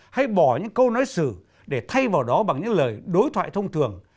hay bỏ những câu nói xử để thay vào đó bằng những lời đối thoại thông thường